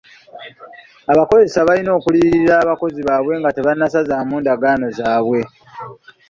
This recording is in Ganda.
Abakozesa balina okuliyirira abakozi baabwe nga tebannasazaamu ndagaano zaabwe.